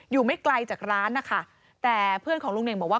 ไม่ไกลจากร้านนะคะแต่เพื่อนของลุงเน่งบอกว่า